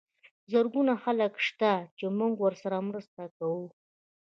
زرګونه خلک شته چې موږ ورسره مرسته کوو.